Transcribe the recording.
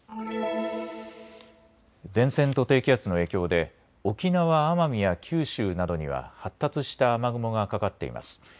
前線と低気圧の影響で沖縄・奄美や九州などには発達した雨雲がかかっています。